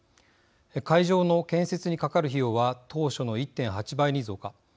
会場の建設にかかる費用は当初の１．８倍に増加。